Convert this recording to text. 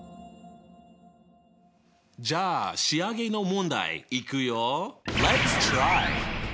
じゃあ仕上げの問題いくよ。